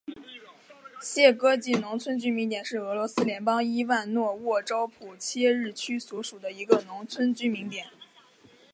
谢戈季农村居民点是俄罗斯联邦伊万诺沃州普切日区所属的一个农村居民点。